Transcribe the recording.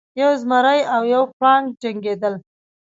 یو زمری او یو پړانګ جنګیدل.